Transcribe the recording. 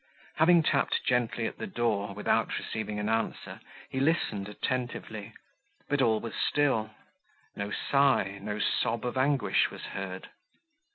Having tapped gently at the door, without receiving an answer, he listened attentively, but all was still; no sigh, no sob of anguish was heard.